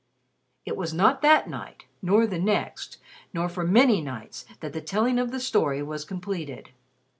It was not that night, nor the next, nor for many nights that the telling of the story was completed.